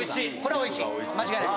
間違いない。